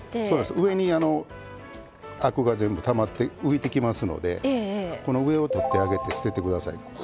上にアクが全部たまって浮いてきますのでこの上を取ってあげて捨てて下さい。